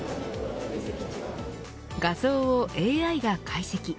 画像をＡＩが解析。